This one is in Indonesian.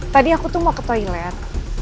tadi aku tuh mau ke toilet